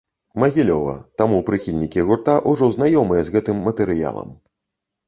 Магілёва, таму прыхільнікі гурта ўжо знаёмыя з гэтым матэрыялам.